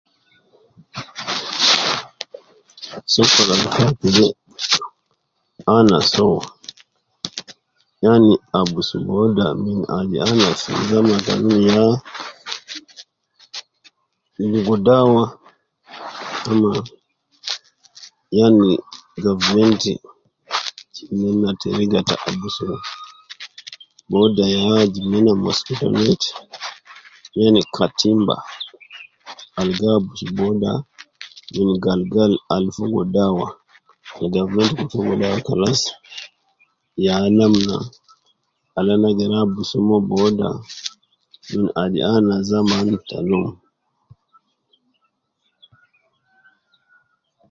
Barnamij ta alim anas kubar awun waze fi aruf stamil me sim, mon saade agder wonus me yala tomon fi be te bara